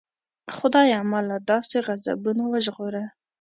خدایه ما له داسې غضبونو وژغوره.